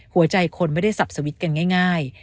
หัวใจคนไม่ได้สับสวิตช์กันง่าย